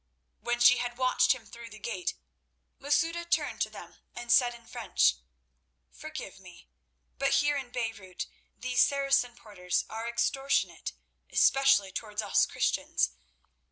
When she had watched him through the gate, Masouda turned to them and said in French: "Forgive me, but here in Beirut these Saracen porters are extortionate, especially towards us Christians.